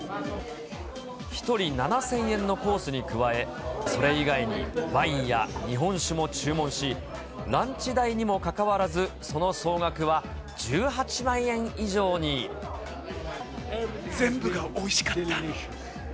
１人７０００円のコースに加え、それ以外にワインや日本酒も注文し、ランチ代にもかかわらず、全部がおいしかった。